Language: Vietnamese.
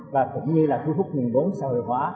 và cũng như là thu hút nguyên bốn xã hội hóa